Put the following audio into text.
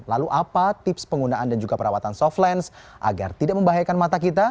lalu apa tips penggunaan dan juga perawatan softlens agar tidak membahayakan mata kita